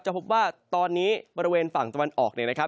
พบว่าตอนนี้บริเวณฝั่งตะวันออกเนี่ยนะครับ